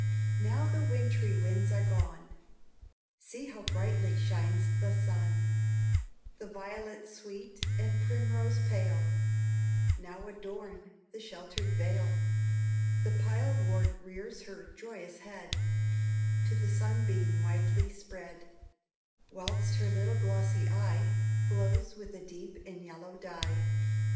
Now the wintry winds are gone, See how brightly shines the sun; The violet sweet and primrose pale, Now adorn the shelter'd vale. The pilewort rears her joyous head, To the sunbeam widely spread, Whilst her little glossy eye Glows with a deep and yellow dye.